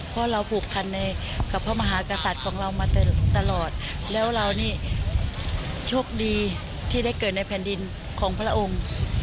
เพราะเราผูกพันในกับพระมหากษัตริย์ของเรามาตลอดแล้วเรานี่โชคดีที่ได้เกิดในแผ่นดินของพระองค์